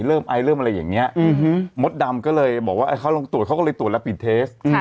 ไอเริ่มอะไรอย่างนี้มดดำก็เลยบอกว่าเขาลงตรวจเขาก็เลยตรวจแล้วปิดเทส